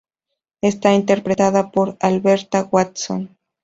Está interpretada por Alberta Watson.